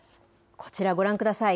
こちらご覧ください。